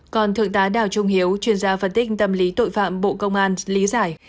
còn thượng tá đào trung hiếu chuyên gia phân tích tâm lý tội phạm bộ công an lý giải